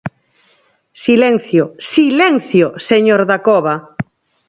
Silencio, ¡silencio!, señor Dacova.